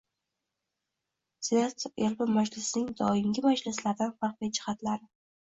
Senat yalpi majlisining doimgi majlislardan farqli jihatlari